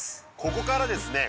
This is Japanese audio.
ここからですね